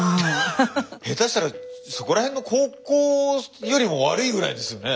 下手したらそこらへんの高校よりも悪いぐらいですよね。